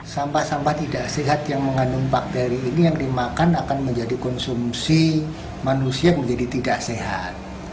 sampah sampah tidak sehat yang mengandung bakteri ini yang dimakan akan menjadi konsumsi manusia menjadi tidak sehat